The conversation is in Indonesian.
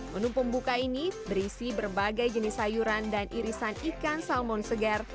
menu pembuka ini berisi berbagai jenis sayuran dan irisan ikan salmon segar